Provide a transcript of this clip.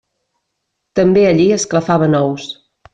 També allí esclafaven ous.